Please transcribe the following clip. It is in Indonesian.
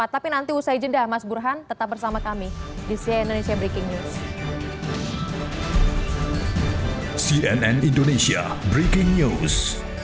tapi nanti usai jeda mas burhan tetap bersama kami di cnn indonesia breaking news